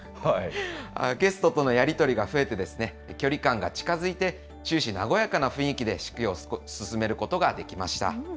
ゲストとのやり取りが増えて、距離感が近づいて、終始、和やかな雰囲気で式を進めることができました。